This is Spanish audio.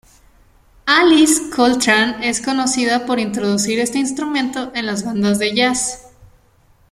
Alice Coltrane es conocida por introducir este instrumento en las bandas de "jazz".